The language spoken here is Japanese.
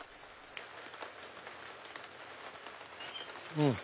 うん。